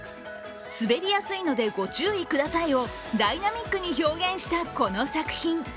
滑りやすいのでご注意くださいをダイナミックに表現したこの作品。